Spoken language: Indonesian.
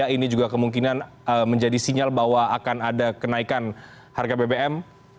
ini juga kemungkinan menjadi sinyal bahwa akan ada kenaikan harga bbm